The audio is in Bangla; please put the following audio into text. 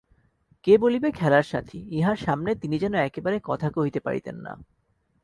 কে বলিবে খেলার সাথি, ইঁহার সামনে তিনি যেন একেবারে কথা কহিতে পারিতেন না।